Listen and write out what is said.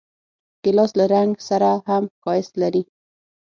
ګیلاس له رنګ سره هم ښایست لري.